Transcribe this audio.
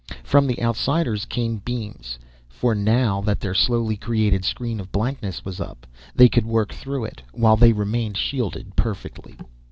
From the outsiders came beams, for now that their slowly created screen of blankness was up, they could work through it, while they remained shielded perfectly.